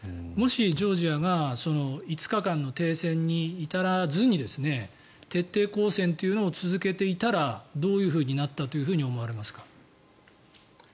もしジョージアが５日間の停戦に至らずに徹底抗戦というのを続けていたらどうなったと思われますか。